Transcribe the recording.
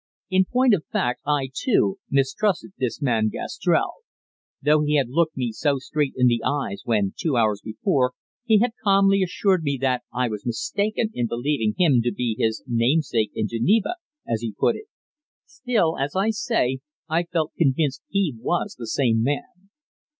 In point of fact I, too, mistrusted this man Gastrell. Though he had looked me so straight in the eyes when, two hours before, he had calmly assured me that I was mistaken in believing him to be "his namesake in Geneva," as he put it; still, as I say, I felt convinced he was the same man.